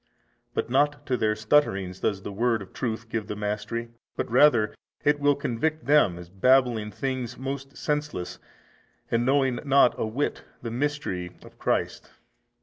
But not to their stutterings does the Word of truth give the mastery, but rather it will convict them as babbling things most senseless and knowing not a whit the mystery of |247 Christ.